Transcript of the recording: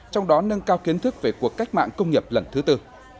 trong đó nâng cao kiến thức về cuộc cách mạng công nghiệp lần thứ tư